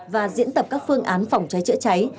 và diễn tập các phương án phòng cháy chữa cháy